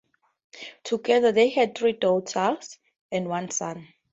Together, they had three daughters and one son.